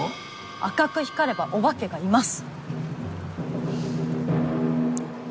赤く光ればお化けがいます。